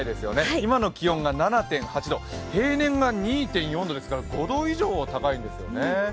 今の気温が７．８度、平年が２．４度ですから５度以上高いんですよね。